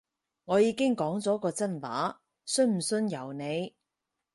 我已經講咗個真話，信唔信由你